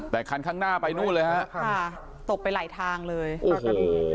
แต่คันข้างหน้าไปนู่นเลยฮะค่ะตกไปหลายทางเลยค่ะโอ้โห